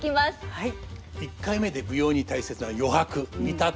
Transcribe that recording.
はい。